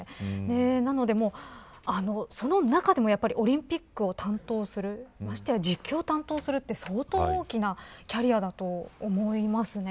なので、その中でもオリンピックを担当するまして実況担当するというのは相当大きなキャリアだと思いますね。